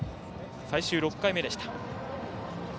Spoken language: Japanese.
最終６回目でした。